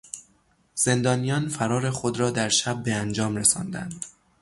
زندانیان فرار خود را در شب به انجام رساندند.